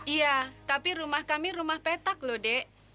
iya tapi rumah kami rumah petak loh dek